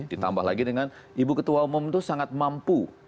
ditambah lagi dengan ibu ketua umum itu sangat mampu